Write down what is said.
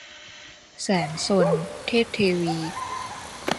แสนซน - เทพเทวี